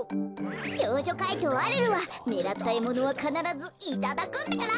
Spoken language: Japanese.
少女怪盗アルルはねらったえものはかならずいただくんだから！